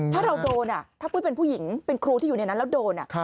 ถ้าเราโดนถ้าปุ้ยเป็นผู้หญิงเป็นครูที่อยู่ในนั้นแล้วโดน